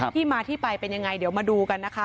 ที่มาที่ไปเป็นยังไงเดี๋ยวมาดูกันนะคะ